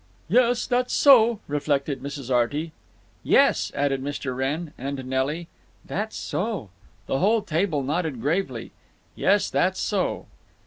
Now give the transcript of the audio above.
"Yes, that's so," reflected Mrs. Arty. "Yes," added Mr. Wrenn. And Nelly: "That's so." The whole table nodded gravely, "Yes, that's so."